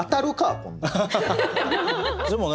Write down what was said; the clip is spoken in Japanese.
こんなん。